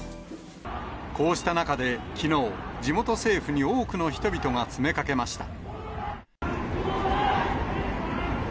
こうした中できのう、地元政府に多くの人々が詰めかけました。